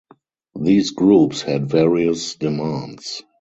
These groups had various demands.